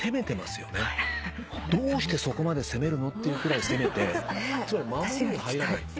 どうしてそこまで攻めるの？っていうくらい攻めて守りに入らない。